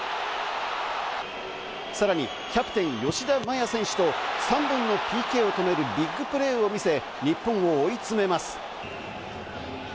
さらにキャプテン・吉田麻也選手と、３本のＰＫを止めるビッグプレーを見せ、日本を追い詰めます。